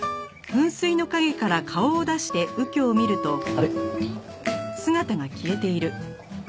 あれ？